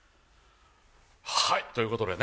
はいという事でね